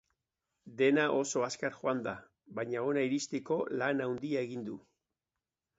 Dena oso azkar joan da, baina ona iristeko lan handia egin du.